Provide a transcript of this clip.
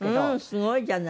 すごいじゃない。